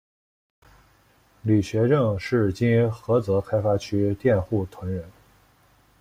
李学政是今菏泽开发区佃户屯人。